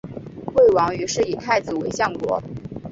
魏王于是以太子为相国。